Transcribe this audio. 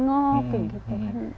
nengok gitu kan